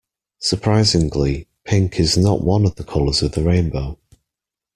Surprisingly, pink is not one of the colours of the rainbow.